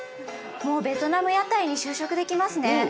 もうベトナム屋台に就職できますね。